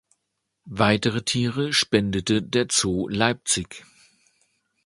Weitere Tiere spendete der Zoo Leipzig.